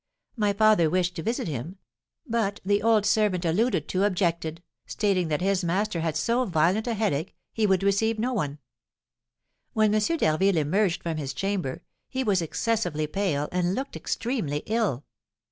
My father wished to visit him; but the old servant alluded to objected, stating that his master had so violent a headache, he could receive no one. When M. d'Harville emerged from his chamber, he was excessively pale, and looked extremely ill.